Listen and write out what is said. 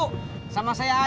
tidak ada yang bisa dihukum